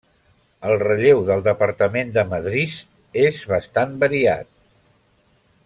El relleu del Departament de Madriz és bastant variat.